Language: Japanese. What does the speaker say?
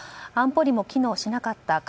安保理も機能しなかった。